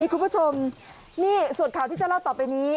คุณผู้ชมนี่ส่วนข่าวที่จะเล่าต่อไปนี้